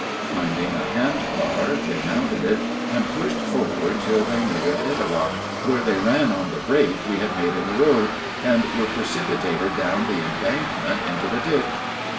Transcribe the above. Finding a hand car they mounted it and pushed forward till they neared Etowah, where they ran on the break we had made in the road, and were precipitated down the embankment into the ditch.